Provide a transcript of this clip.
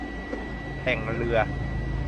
แข่งเรือ